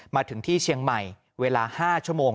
มาถึงที่เชียงใหม่เวลา๕ชั่วโมง